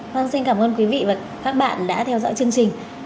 vâng xin cảm ơn quý vị và các bạn đã theo dõi chương trình